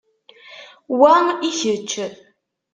Wa i kečč.